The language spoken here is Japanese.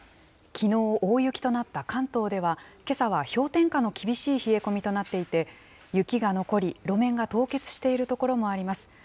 きのう、大雪となった関東では、けさは氷点下の厳しい冷え込みとなっていて、雪が残り、路面が凍結している所もあります。